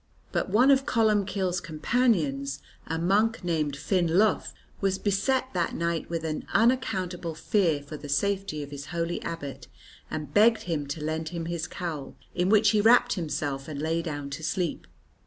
But one of Columbcille's companions, a monk named Finn Lugh, was beset that night with an unaccountable fear for the safety of his holy abbot, and begged him to lend him his cowl, in which he wrapped himself and lay down to sleep.